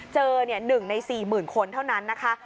เจอ๑ใน๔๐๐๐คนเท่านั้นนะคะ